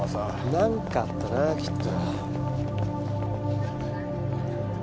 なんかあったなきっと。